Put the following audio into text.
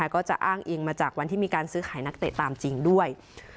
ก็จะอ้างอิงมาจากวันที่มีการซื้อขายนักเตะตามจริงด้วย